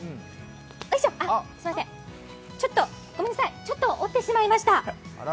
あ、ごめんなさい、ちょっと折ってしまいました。